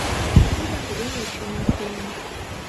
— Тудак веле чонем семын.